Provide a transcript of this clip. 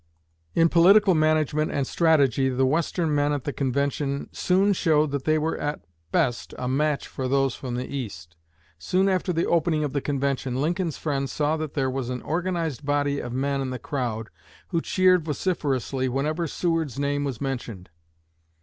In political management and strategy the Western men at the convention soon showed that they were at best a match for those from the East. Soon after the opening of the convention, Lincoln's friends saw that there was an organized body of men in the crowd who cheered vociferously whenever Seward's name was mentioned.